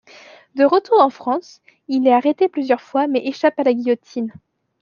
De retour en France, il est arrêté plusieurs fois mais échappe à la guillotine.